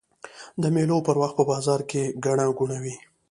د مېلو پر وخت په بازارو کښي ګڼه ګوڼه يي.